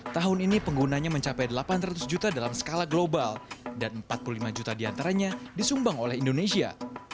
tahun ini penggunanya mencapai delapan ratus juta dalam skala global dan empat puluh lima juta diantaranya disumbang oleh indonesia